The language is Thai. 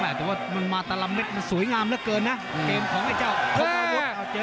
แต่ว่ามันมาตลาดเม็ดสวยงามเหลือเกินนะเกมของไอ้เจ้า